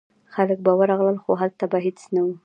خلک به ورغلل خو هلته به هیڅ نه و.